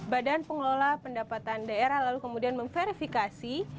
badan pengelola pendapatan daerah lalu kemudian memverifikasi